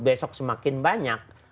besok semakin banyak